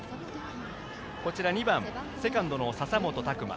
２番、セカンドの笹本琢真。